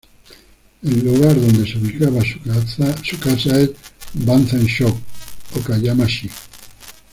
El lugar donde se ubicaba su casa es Banzan-chō, Okayama-shi.